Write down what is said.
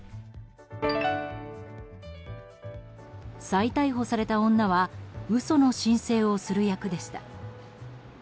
再逮捕された女は嘘の申請をする役でした。